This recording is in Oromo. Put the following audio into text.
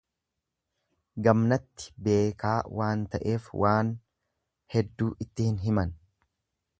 Gamnatti beekaa waan ta'eef waan hedduu itti hin himan.